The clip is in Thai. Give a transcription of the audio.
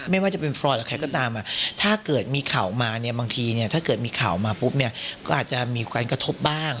ไม่ว่าจะเป็นฟรอยหรือใครก็ตามมาถ้าเกิดมีข่าวมาบางทีถ้าเกิดมีข่าวมาปุ๊บก็อาจจะมีการกระทบบ้าง